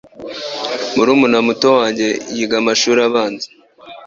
Murumuna wanjye muto yiga amashuri abanza.